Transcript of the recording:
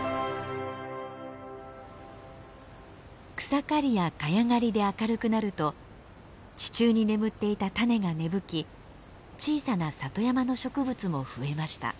草刈りやカヤ刈りで明るくなると地中に眠っていた種が芽吹き小さな里山の植物も増えました。